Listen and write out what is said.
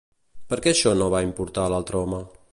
Per què això no va importar a l'altre home?